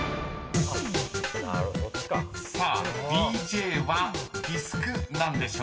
［さあＤＪはディスク何でしょう？］